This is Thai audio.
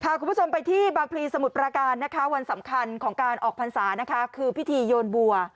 คุณผู้ชมไปที่บางพลีสมุทรประการนะคะวันสำคัญของการออกพรรษานะคะคือพิธีโยนบัว